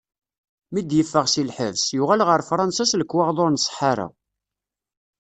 Mi d-yeffeɣ si lḥebs, yuɣal ɣer Fṛansa s lekwaɣeḍ ur nṣeḥḥa ara.